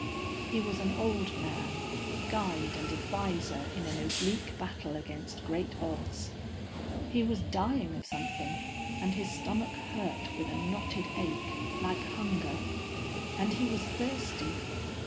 _He was an old man, guide and adviser in an oblique battle against great odds. He was dying of something and his stomach hurt with a knotted ache, like hunger, and he was thirsty.